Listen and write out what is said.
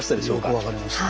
よく分かりました。